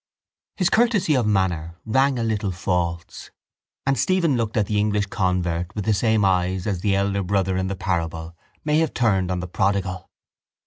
His courtesy of manner rang a little false and Stephen looked at the English convert with the same eyes as the elder brother in the parable may have turned on the prodigal.